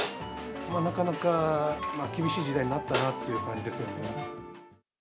なかなか厳しい時代になったなという感じがするんですね。